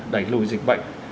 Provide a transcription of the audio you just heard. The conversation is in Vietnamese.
đẩy lùi dịch bệnh